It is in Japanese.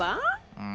うん。